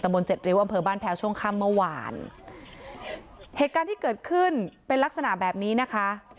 บนเจ็ดริ้วอำเภอบ้านแพ้วช่วงค่ำเมื่อวานเหตุการณ์ที่เกิดขึ้นเป็นลักษณะแบบนี้นะคะ